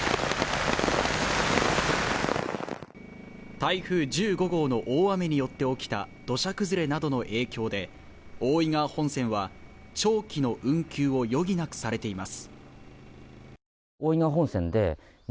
台風１５号の大雨によって起きた土砂崩れなどの影響で大井川本線は長期の運休を余儀なくされています。